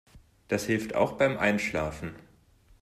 Das hilft auch beim Einschlafen.